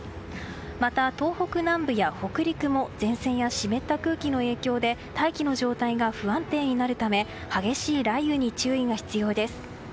また東北南部や北陸は前線や湿った空気の影響で大気の状態が不安定になるため激しい雷雨に注意が必要です。